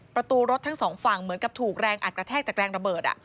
ประตูรถทั้งสองฝั่งเหมือนกับถูกแรงอัดกระแทกจากแรงระเบิด